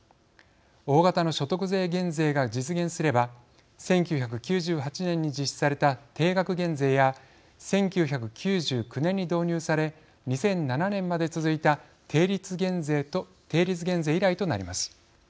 大型の所得税減税が実現すれば１９９８年に実施された定額減税や１９９９年に導入され２００７年まで続いた定率減税以来となります。